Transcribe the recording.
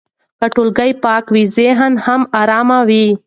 که ټولګی پاک وي، ذهن هم ارام وي.